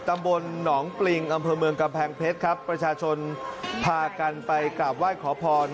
ตำบลหนองปริงอำเภอเมืองกำแพงเพชรครับประชาชนพากันไปกราบไหว้ขอพร